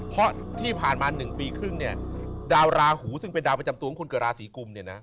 เพราะที่ผ่านมา๑ปีครึ่งเนี่ยดาวราหูซึ่งเป็นดาวประจำตัวของคนเกิดราศีกุมเนี่ยนะ